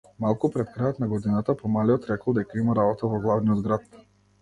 Малку пред крајот на годината помалиот рекол дека има работа во главниот град.